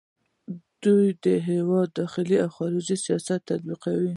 دوی د هیواد داخلي او خارجي سیاست تطبیقوي.